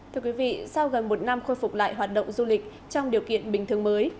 thưa quý vị sau gần một năm khôi phục lại hoạt động du lịch trong điều kiện bình thường mới